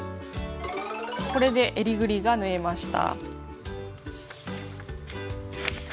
これでえりぐりが縫えました。